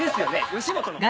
吉本の。